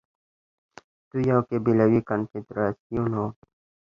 دوی يو قبيلوي کنفدراسيون وو